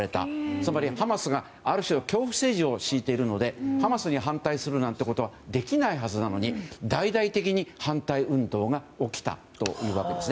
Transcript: つまり、ハマスがある種の恐怖政治を敷いているのでハマスに反対するなんてことはできないはずなのに大々的に反対運動が起きたというわけです。